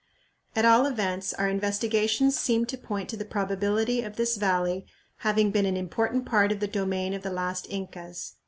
At all events our investigations seem to point to the probability of this valley having been an important part of the domain of the last Incas.